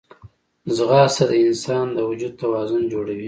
ځغاسته د انسان د وجود توازن جوړوي